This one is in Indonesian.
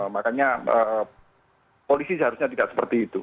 makanya polisi seharusnya tidak seperti itu